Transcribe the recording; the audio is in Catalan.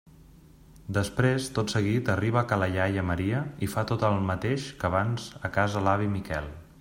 Després, tot seguit, arriba a ca la iaia Maria i fa tot el mateix que abans a casa l'avi Miquel.